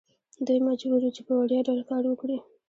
دوی مجبور وو چې په وړیا ډول کار وکړي.